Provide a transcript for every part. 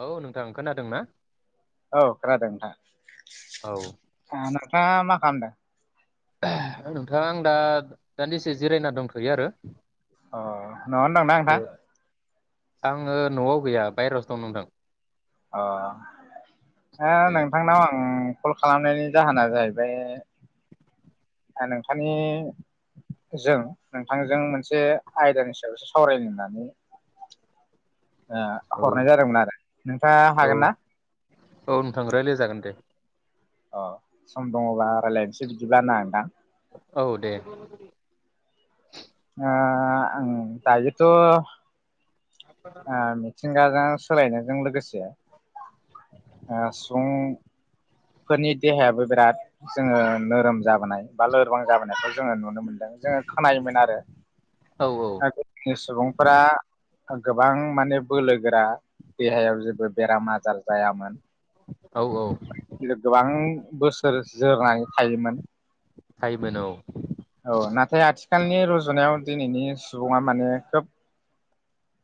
औ नोंथां खोनादों ना? औ खोनादों नोंथां औ नोंथाङा मा खालामदों नोंथां दा दान्दिसे जिरायना दंथ'यो आरो। अ न'आवनो दंना एसे नोंथां आङो न'आव गैया बाहेरावसो दं नोंथां। अ हो ए नोंथांनाव आं कल खालामनायनि जाहोना जाहैबाय आं नोंथांनि जों नोंथांजों मोनसे आयदानि सायावसो सावरायनो होननानै ओ औ हरनाय जादोंमोन आरो नोंथाङा औ हागोन ना? औ नोंथां रायलाय जागोन दे अ सम दङबा रायलायनोसै बिदिब्ला ना नोंथां। औ दे ओ आं दायोथ' ओ मिथिंगाजों सोलायनायजों लोगोसे हो सुबुंफोरनि देहायाबो बिराद जोङो नोरोम जाबोनाय बा लोरबां जाबोनायखौ जोङो नुनो मोनो ओ जोङो खोनायोमोन आरो। औ औ ओ गोदोनि सुबुंफोरा गोबां माने बोलोगोरा देहायाव जेबो बेराम आजार जायामोन। [unintelligible] गिलिर गोबां बोसोर जोरनानै थायोमोन। हायोमोन औ औ नाथाय आथिखालनि रुजुनायाव दिनैनि सुबुङा माने खोब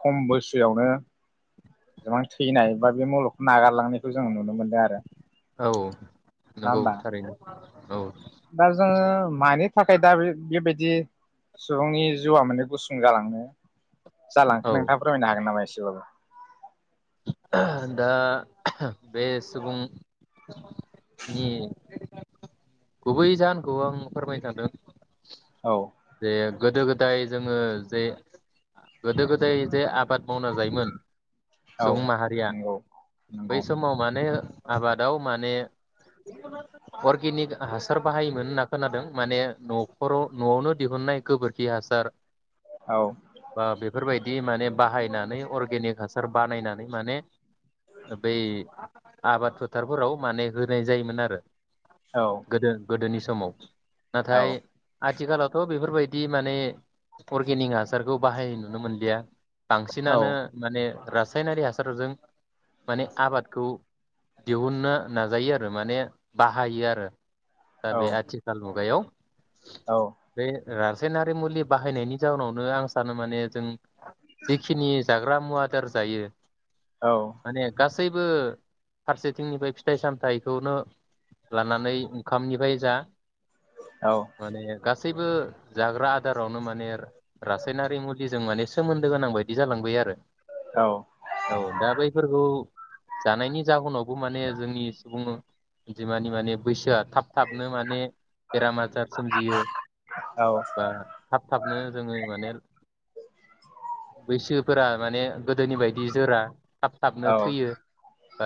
खम बैसोआवनो गोबां थैनाय बा बे मुलगखौ नागारलांनायखौ जों नुनो मोनदों आरो औ नङा नंगौ होमबा थारैनो औ दा जोङो मानि थाखाय दा बेबायदि सुबुंनि जिउआ माने गुसुं जालांङो जालांखो औ नोंथाङा फोरमायनो हागोन नामा एसेबाबो दा बे सुबुं नि गुबै जाहोनखौ आं फोरमायनो सानदों औ जे गोदो गोदाय जोङो जे गोदो गोदाय जे आबाद मावना जायोमोन औ सुबुं माहारिया नंगौ नंगौ बै समाव माने आबादाव माने अरगेनिक हासार बाहायोमोन होनना खोनादों माने न'खराव-न'आवनो दिहुनाय गोबोरखिया हासार औ बा बेफोर बायदि बि माने बाहाय बनानै अर्गेनिक हासार बानायनानै माने बै आबाद फोथारफोराव माने होनाय जायोमोन आरो औ गोदो-गोदोनि स समाव नाथाय औ आथिखालाव बेफोरबायदि माने अर्गेनिक हासारखौ बाहाय नुनो मोनलिया औ बांसिनानो माने रासायनारि हासारजों माने आबादखौ दिहुननो नाजायो आरो माने बाहायो आरो दा औ बे आथिखाल मुगायाव औ बे रासायनारि मुलि बाहायनायनि जाउनावनो आं सानो माने जों जिखिनि जाग्रा मुवादार जायो माने गास सैबो फारसेथिंनिफ्राय फिथाइ सामथायाइखौनो लानानै ओंखामनिफ्राय जा माने गा सैबो जाग्रा आदारावनो माने रासायनारि मुलिजों माने सोमोन्दो गोनां बायदि जालांबाय आरो औ दा बैफोरखौ जानायनि जाहोनाव बे माने जोंनि सुबुं जिमानि माने बैसोआ थाब थाबनो माने बेराम आजार सोमजियो औ बा थाब थाबनो जोंङो माने बैसोफोरा माने गोदोनि बायदि जोरा थाब औ साबनो थैयो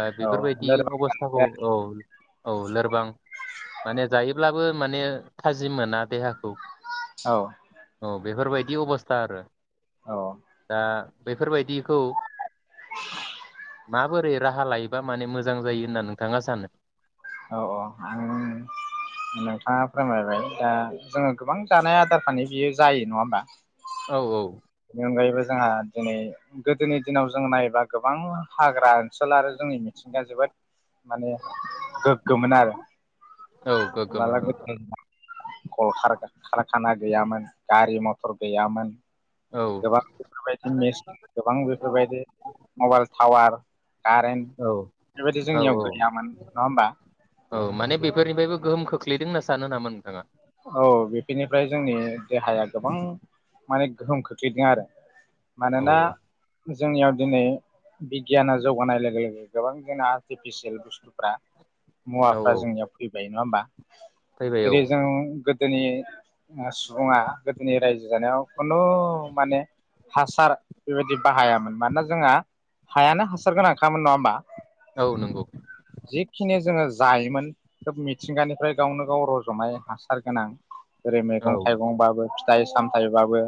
ओ औ बेफोरबायदि लोरबां अबस्थाखौ औ औ लोरबां माने जायोब्लाबो माने थाजिम मोना देहाखौ औ औ बेफोरबायदि अबस्था आरो औ दा बेफोरबायदिखौ माबोरै राहा लायोबा माने मोजां जायो होनना नोंथाङा सानो औ औ आं नोंथाङा फोरमायबाय दा जोंङो गोबां जानाय आदार फ्रानो बियो जायो नङा होमबा औ औ बेनि अनगायैबो जोंहा दिनै गोदोनि दिनाव जों नायोबा गोबां हाग्रा ओनसोल आरो जोंनि मिथिंगा जोबोद माने गोग्गोमोन आरो औ गोग्गोमोन माला औ गल खारखाना गैयामोन गारि मथर गैयामोन। औ गोबां बेफोरबायदि मेसिन गोबां बेफोरबायदि मबाइल टावार कारेन्ट औ बेफोरबायदि औ जोंनियाव औ गैयामोन नङा होमबा गोलैदों होनना सानो नामा नोंथाङा? औ बेफोरनिफ्राय जोंनि देहाया गोबां माने गोहोम खोख्लैदों आरो औ मानोना जोंनियाव दिनै बिगियाना जौगानाय लोगो लोगो गोबां जोंना आर्टिफिसियेल बुस्थुफ्रा औ मुवाफ्रा औ जोंनियाव फैबाय नङा होमबा फैबाय औ जेरै जों गोदोनि सुबुङा गोदोनि रायजो जानायाव कुनु माने हासार बेबायदि बाहायामोन मानोना जोंहा हायानो हासार गोनांखामोन नङा होमबा औ नंगौ जिखिनि जोंङो जायोमोन खोब मिथिंगानिफ्राय गावनो गाव रजनाय हास सारगोनां ओेरै औ मैगं थाइगंबाबो फिथाइ सामथाइबाबो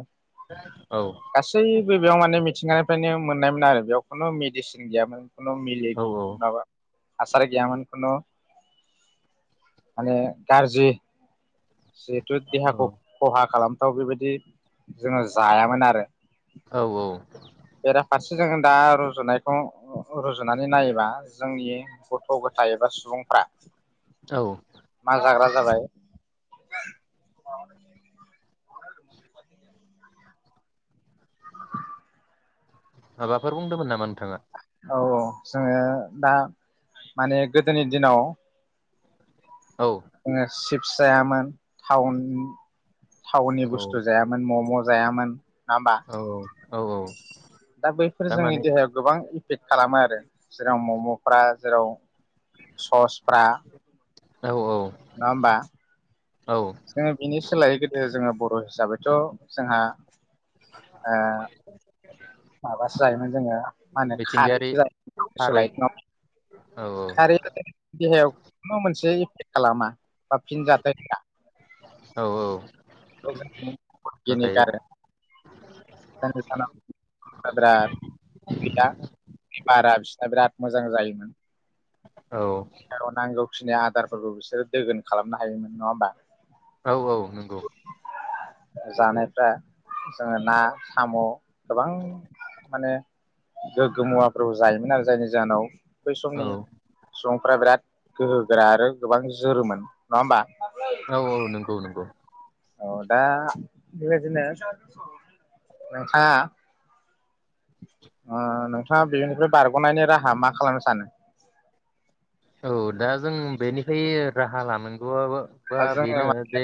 औ गासैबो बेयाव माने मि मिथिंगानिफ्रायनो मोननायमोन आरो बेयाव खुनु मेडिसिन गैयामोन। औ [unintelligible] माबा हासार गैयामोन खुनु माने गाज्रि जिहेथु औ देहाखौ खहा खालाम थाव बेबायदि जोंङो जायामोन आरो औ औ जोंङो दा रुजुनायखौ रुजुनानै नायोबा जोंनि गथ' गथाय एबा सुबुंफ्रा औ मा जाग्रा [unintelligible] औ माबाफोर बुंदोंमोन नामा नोंथाङा? औ औ जोङो दा माने गोदोनि दिनाव औ जोङो सिब फि जायामोन टाउन थावनि औ बस्थु जायामोन मम' जायामोन नङा होमबा औ औ औ औ दा बैफोर जोंनि थारमाने देहायाव गोबां फेक खालामो आरो जेराव मम'फ्रा जेराव ससफ्रा औ औ नङा हमबा औ जोङो बिनि सोलायै गोदो जोङो बर' हिसाबैथ' जोंहा अ माबासो जायोमोन जोङो मा होनो मिथिंगायारि खारैसो जायसो लाइ थारै औ खारै देहायाव खुनु मोनसे खालामा बा फिन जाथायफ्रा औ औ नाथाय बिनिगार दा नोंसानाव बिराद गैया बारा बिसना बिराद मोजां जायोमोन औ खिनाय आदारफोरखौ बिसोरो दोगोन खालामनो हायोमोन नङा होमबा औ औ नंगौ जानायफ्रा जोङो ना साम' गोबां माने गोग्गो मुवाफोरबो जायोमोन आरो जायनि जाहोनाव बै औ समनि सम- फोरा बिराद गोहोगोरा आरो गोबां जोरोमोन नङा होमबा। औ औ नंगौ नंगौ अ दा बिबादिनो नोंहा अ नोंथाङा बेनिफ्राय बारग'नायनि राहा मा खालामनो सानो? औ दा जों बेनिफाय राहा लानांगौआबो बा दा जोङो बेनो जे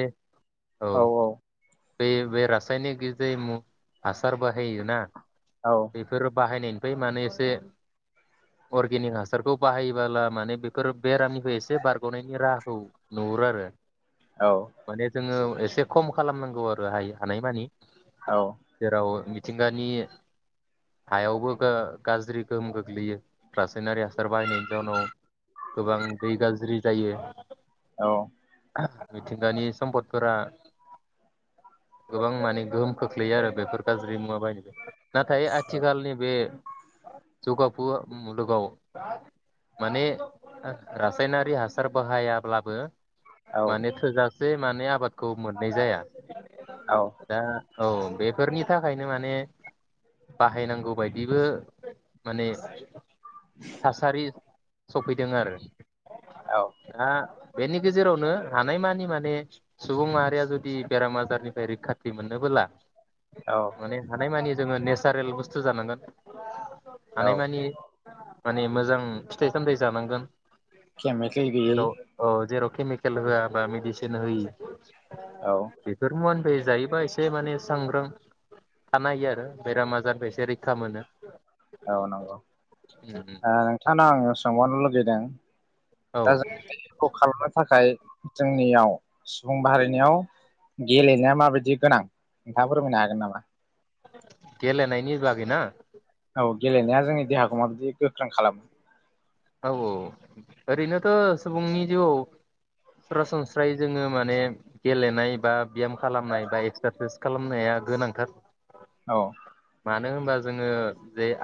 औ बे बे रासायनिक गैजायि म हासार बाहायोना औ बेफोर बाहायनाय बै माने एसे अर्गेनिक हासारखौ बाहायोबाला माने बेफोर बेरामनिफ्राय एसे बारग'नायनि राहाखौ नुहुरो आरो। औ माने जोङो एसे खम खालामनांगौ आरो हायि हानायमानि। औ जेराव मि थिंगानि हायावबो गाज्रि गोहोम गोग्लैयो रासायनारि हासार बाहायनायनि जाउनाव गोबां दै गाज्रि जायो। औ मिथिंगानि सम्फदफोरा गोबां माने गोहोम खोख्लैयो आरो बेफोर गाज्रि मुवा बायदि नाथाय आथिखालनि बे जौगाफु मुलुगाव माने रासायनारि हासार बाहायाब्लाबो माने थोजा से माने आबाद खौ मोननाय जाया औ दा औ बेफोरनि थाखायनो माने बाहायनांगौ बायदिबो माने थासारि स फैदों आरो औ आ बेनि गेजेरावनो हानायमानि माने सुबुं माहारिया जुदि बेराम आजारनिफ्राय रैखाथि मोनोबोला औ माने हानाय मानि जोङो नेचारेल बुस्थु जानांगोन। औ हानाय मानि माने मोजां फिथाइ सामथाइ जानांगोन। केमिकेल गैयि जेराव औ जेराव केमिकेल होआबा मेडिसन होयै औ बेफोर मुवा जायोबा एसे माने सांग्रां थानाय हायो आरो बेराम आजारनिबो एसे रैखा मोनो। औ नंगौ ओ नोंथांनाव आं सोंबावनो लुबै दों औ दा जोंखौ खालामनो थाखाय जोंनियाव सुबुं बारायनायाव गेलेनाया माबायदि गोनां नोंथाङा फोरमायनो हागोन नामा? गेलेनायनि बागै ना। औ गेलेनाया जोंनि देहाखौ माबायदि गोख्रों खालामो? औ औ ओरैनोथ' सुबुंनि जिउआव सरासनस्रायै जोङो माने गेलेनाय बा ब्याम खालामनाय बा एक्सारसाइस खालामनाया गोनांथार औ मानो होनोब्ला जोंङो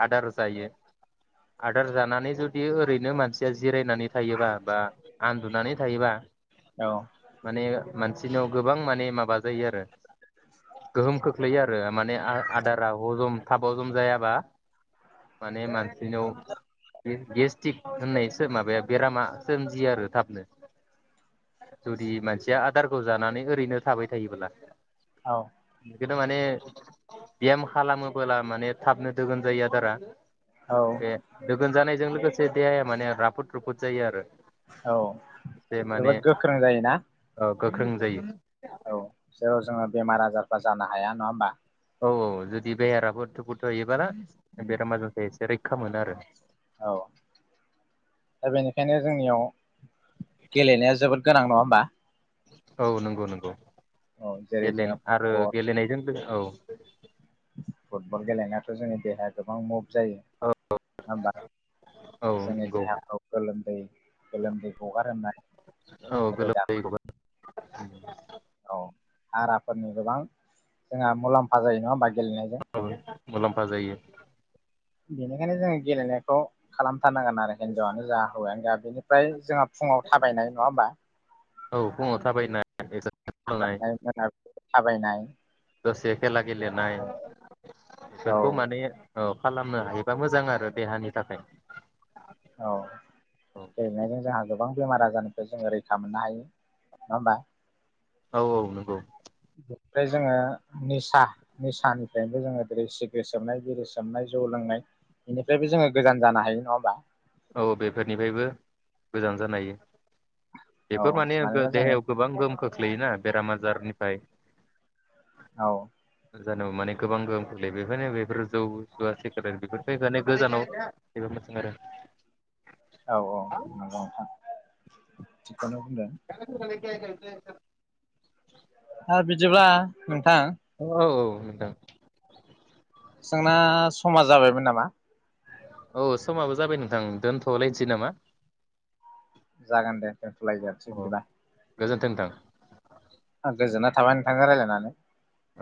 आदार जायो आदार जानानै जु जदि ओरैनो मानसिया जिरायनानै थायोबा बा आन्दुनानै थायोबा औ माने मानसिनाव गोबां माने माबा जायो आरो गोहोम खोख्लैयो आरो माने आदारा हजम थाब हजम जायाबा माने मानसि बिनिाव बि गेस्टि्रक होननाय माबाया बेरामा सोमजियो आरो थाबनो जुदि मानसिया आदारखौ जानानै ओरैनो थाबाय थायोब्ला औ माने बियाम खालामोबोला माने थाबनो दोगोन जायो आदारा औ बे द गोनजानाय बेजों लोगोसे देहाया माने राफोद रुफोद जायो आरो। औ एसे माने जोबोद गोख्रों जायोना। ओ गोख्रों जायो। औ जेराव जोङो बेमार आजारफ्रा जानो हा हाया नङा होमबा। औ औ जुदि बेहाराबो थुफु थ हैयोबला बेराम आजारस एसे रैखा मोनो आरो। औ दा बेनिखायनो जोंनियाव गेलेनाया जोबोद गोनां नङा होमबा। औ नंगौ नंगौ। औ जेरै एलेन जोङो आरो फुटबल गेलेनायजों लोगो औ फुटबल गेलेनायाथ' जोंनि देहाया गोबां मु जायो औ नङा होमबा? औ जोंनि नंगौ देहाफोराव गोलोमदै गोलोमदै गगारहोनाय औ गोलोमदै गगार औ हाराफोरनि गोबां जोंहा मुलाम्फा जायो नङा होनबा गेलनाय जों मुलाम्फा जायो बेनिखायनो जोङो गेलेनायखौ खालामथारनांगोन आरो हिनजावानो जा हौवायानो बेनि ओमफ्राय जोंहा फुङाव थाबायनाय नङा होमबा। औ फुङाव थाबायनाय मोनाबिलि [unintelligible] थाबायनाय। दसे खेला गेलेनाय औ औ बेफोरखौ माने औ खालामनो हायोबा मोजां आरो देहानि थाखाय। औ औ गेलनायजों जों गो गोबां बेमार आजारनिफ्राय जोङो रैखा मोननो हायो नङा होमबा? औ औ नंगौ। बेनिफ्राय जोङो निसा निसानिफ्रायबो जोङो दिेरै सिग्र्रिद सोबनाय बिरि सोबनाय जौ लोंनाय बेनिफ्रायबो जोङो गोजान जानो हायो नङा होमबा? औ बेफोरनिफ्रायबो गोजान जानो हायो। औ बेफोर माने मानोना जोङो देहायाव गोबां गोहोम खोख खोख्लैयोना बेराम आजारनिफ्राय। औ जानौ माने गोबां गोहोम खोख्लैयो बेफोरनो बेफोर जौ जुवा सेकेरे बेफोरफोरखौ माने गोजानाव जबो मोजां आरो औ औ मोजां नोंथां। बेखौनो बुंदों। जे जे जे ह बिदिब्ला औ औ औ मोनदों। जोंना समा जाबायमोन नामा? औ समाबो जाबाय नोंथां दोनथ'लायदि नामा? जागोन दे दोनथ'लाय जसै औ बिदिबा गोजोन्थों नोंथां आ गोजोन थाबानो थांङो राय्लायनानै।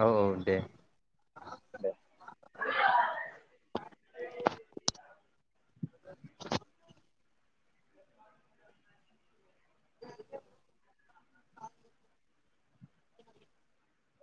औ औ दे दे [inaudible] [unintelligible] [unintelligible]